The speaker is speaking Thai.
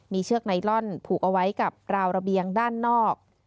มีเชือกไนลอนผูกเอาไว้กับราวระเบียงด้านนอก